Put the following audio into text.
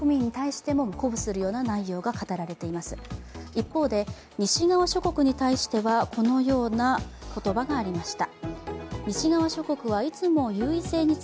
一方で西側諸国に対してはこのような言葉がありました。